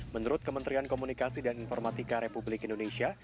menurut kementerian komunikasi dan informatika republik indonesia